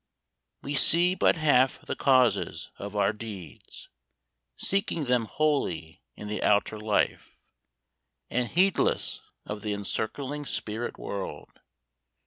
We see but half the causes of our deeds, Seeking them wholly in the outer life, And heedless of the encircling spirit world.